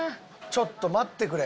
ちょっと待ってくれ。